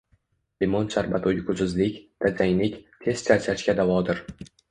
Limon sharbati uyqusizlik, tajanglik, tez charchashga davodir.